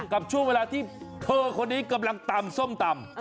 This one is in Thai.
กับช่วงเวลาที่เธอคนนี้กำลังตำส้มตำ